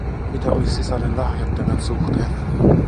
Mitä oli sisaren lahjat tämän suhteen?